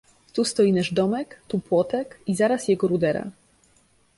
Tu stoi nasz domek, tu płotek — i zaraz jego rudera.